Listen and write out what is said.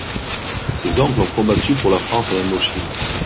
Ses oncles ont combattu pour la France en Indochine.